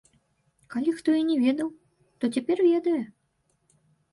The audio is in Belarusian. Калі хто і не ведаў, то цяпер ведае!